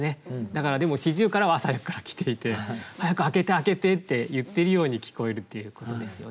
だからでも四十雀は朝早くから来ていて早く開けて開けてって言っているように聞こえるっていうことですよね。